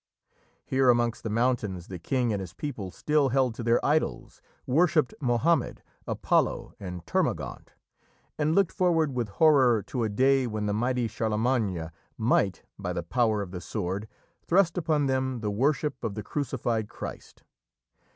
Here amongst the mountains the King and his people still held to their idols, worshipped "Mahommed, Apollo, and Termagaunt," and looked forward with horror to a day when the mighty Charlemagne might, by the power of the sword, thrust upon them the worship of the crucified Christ.